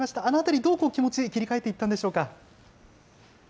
あのあたり、どう気持ち切り替えていったんでしょうか？